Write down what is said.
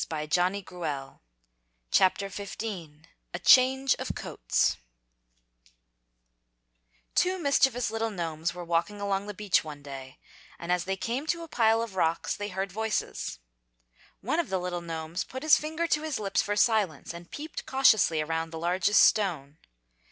A CHANGE OF COATS Two mischievous little gnomes were walking along the beach one day and as they came to a pile of rocks they heard voices. One of the little gnomes put his finger to his lips for silence and peeped cautiously around the largest stone.